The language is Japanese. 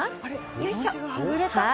よいしょ！